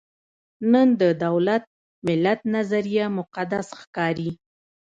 نن د دولت–ملت نظریه مقدس ښکاري.